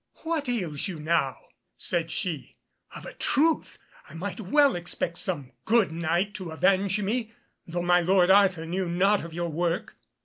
"What ails you now?" said she; "of a truth I might well expect some good Knight to avenge me, though my lord Arthur knew not of your work."